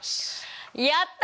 やった！